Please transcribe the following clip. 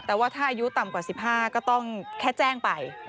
แต่ว่าถ้าอายุต่ำกว่า๑๕ก็ต้องแค่แจ้งไป